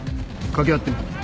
掛け合ってみる。